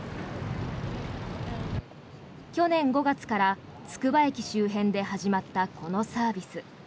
去年５月からつくば駅周辺で始まったこのサービス。